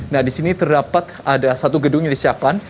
nah di sini terdapat ada satu gedung yang disiapkan